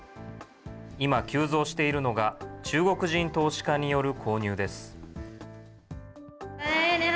今、急増しているのが、中国人投資家による購入です。